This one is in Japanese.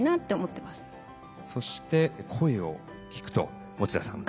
そして「声を聴く」と持田さん。